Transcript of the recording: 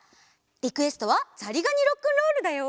リクエストは「ざりがにロックンロール」だよ！